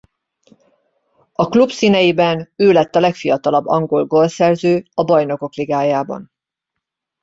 A klub színeiben ő lett a legfiatalabb angol gólszerző a Bajnokok ligájában.